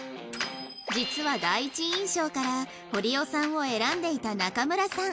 実は第一印象から堀尾さんを選んでいた中村さん